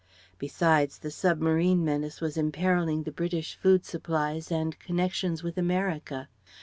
Besides, the submarine menace was imperilling the British food supplies and connections with America.